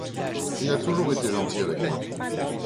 Il a toujours été gentil avec moi.